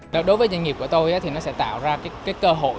đối với doanh nghiệp của tôi thì nó sẽ tạo ra cơ hội